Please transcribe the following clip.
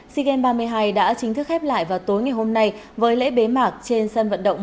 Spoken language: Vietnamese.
sea games ba mươi hai đã chính thức khép lại vào tối ngày hôm nay với lễ bế mạc trên sân vận động